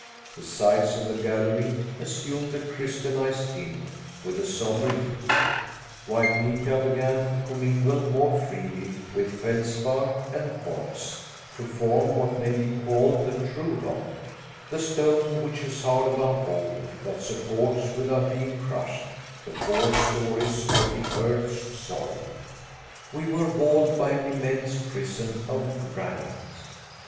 The sides of the gallery assumed a crystallized tint, with a somber hue; white mica began to commingle more freely with feldspar and quartz, to form what may be called the true rock the stone which is hard above all, that supports, without being crushed, the four stories of the earth's soil. We were walled by an immense prison of granite!